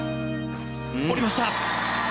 降りました！